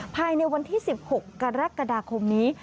ภายในวันที่๑๖กรกฎาคมนี้